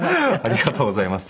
ありがとうございます。